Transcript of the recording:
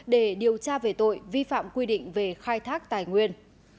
để điều tra về tội vi phạm quy định về khai thác tài nguyên